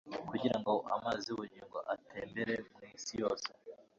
kugira ngo amazi y'ubugingo atembere mu isi yose.